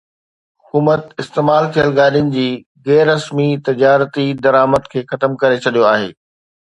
حڪومت استعمال ٿيل گاڏين جي غير رسمي تجارتي درآمد کي ختم ڪري ڇڏيو آهي